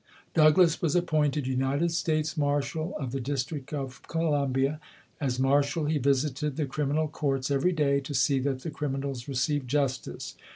Douglass was appointed United States Marshal of the District of Columbia. As Marshal he visited the criminal courts every day to see that the criminals received justice.